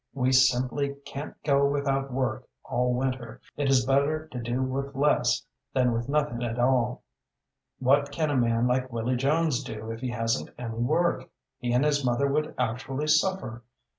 We simply can't go without work all winter. It is better to do with less than with nothing at all. What can a man like Willy Jones do if he hasn't any work? He and his mother would actually suffer.